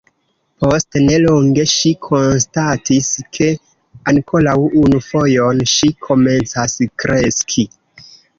Post ne longe ŝi konstatis ke ankoraŭ unu fojon ŝi komencas kreski.